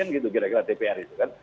gitu kira kira dpr itu kan